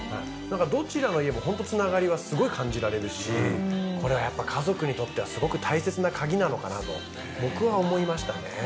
どちらの家もホント繋がりはすごい感じられるしこれはやっぱり家族にとってはすごく大切な鍵なのかなと僕は思いましたね。